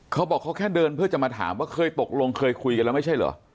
เขาบอกเขาแค่เดินเพื่อจะมาถามว่าเคยตกลงเคยคุยกันแล้วไม่ใช่เหรอ